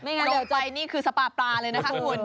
ลงไปนี่คือสปาปลาเลยนะครับคุณ